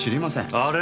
あれ？